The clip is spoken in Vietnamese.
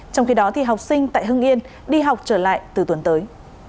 trong khi đó học sinh tại hưng yên đi học trở lại từ tuần tới